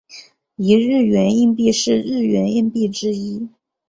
一日圆硬币是日圆硬币之一。